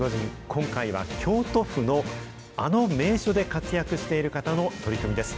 今回は京都府のあの名所で活躍している方の取り組みです。